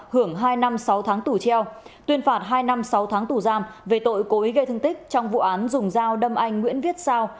hưởng hai năm sáu tháng tù treo tuyên phạt hai năm sáu tháng tù giam về tội cố ý gây thương tích trong vụ án dùng dao đâm anh nguyễn viết sao